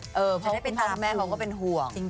เพราะพ้ากับแม่ผมก็เป็นห่วง